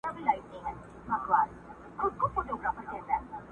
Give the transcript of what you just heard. د سل سره اژدها په كور كي غم وو!